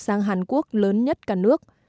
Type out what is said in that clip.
sang hàn quốc lớn nhất cả nước